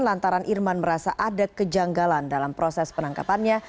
lantaran irman merasa ada kejanggalan dalam proses penangkapannya